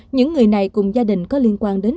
những người này cùng gia đình có liên quan đến